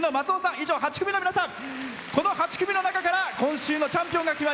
以上、８組の皆さん。